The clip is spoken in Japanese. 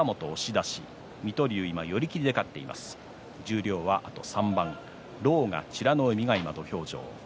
十両は、あと３番狼雅、美ノ海が土俵に上がっています。